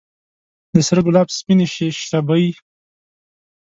د سره ګلاب سپینې شبۍ